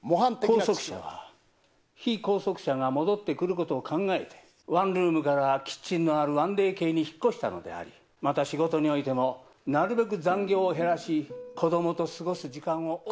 拘束者は被拘束者が戻ってくることを考えてワンルームからキッチンのある１ＤＫに引っ越したのでありまた仕事においてもなるべく残業を減らし子供と過ごす時間を多く持ちたいと。